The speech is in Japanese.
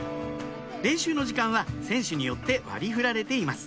練習の時間は選手によって割り振られています